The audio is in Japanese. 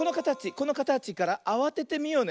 このかたちからあわててみようね。